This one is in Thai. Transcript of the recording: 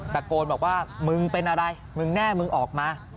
ตะโกนบอกว่ามึงเป็นอะไรมึงแน่มึงออกมา